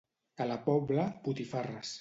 A la Pobla, botifarres.